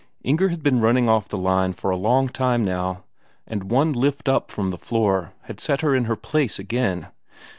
Inger had been running off the line for a long time now; and one lift up from the floor had set her in her place again.